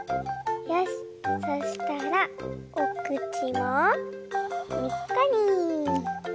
しそしたらおくちをにっこり。